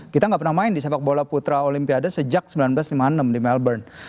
kita nggak pernah main di sepak bola putra olimpiade sejak seribu sembilan ratus lima puluh enam di melbourne